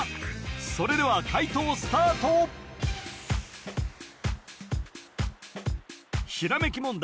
それでは解答スタートひらめき問題